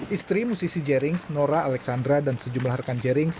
istri musisi jerings nora alexandra dan sejumlah rekan jerings